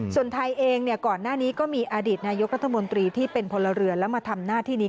ส่วนไทยเองก่อนหน้านี้ก็มีอดีตนายกรัฐมนตรีที่เป็นพลเรือนแล้วมาทำหน้าที่นี้